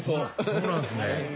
そうなんすね。